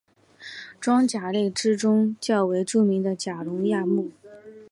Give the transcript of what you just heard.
装甲类之中较为著名的是甲龙亚目。